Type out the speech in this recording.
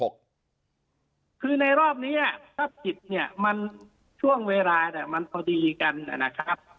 คือในรอบนี้ถ้าผิดช่วงเวลามันพอดีกันนะครับ